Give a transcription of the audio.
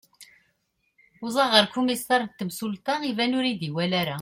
uẓaɣ ɣer ukumisar n temsulta iban ur iyi-iwali ara